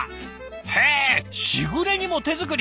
へえしぐれ煮も手作り！